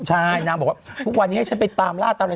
ใช่นางบอกว่าทุกวันนี้ให้ฉันไปตามล่าตามอะไร